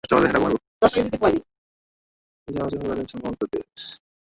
খুব তাড়াতাড়ি একটি টিভি চ্যানেলে এটি প্রচার হবে বলে জানিয়েছেন সালমান মুক্তাদির।